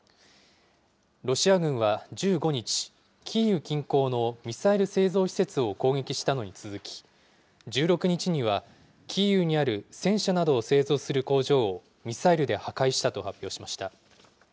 ロシア軍は１５日、キーウ近郊のミサイル製造施設を攻撃したのに続き、１６日には、キーウにある戦車などを製造する工場をミサイルで破壊したと発表しました。